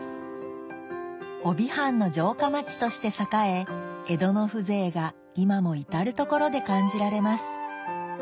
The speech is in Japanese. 飫肥藩の城下町として栄え江戸の風情が今も至る所で感じられます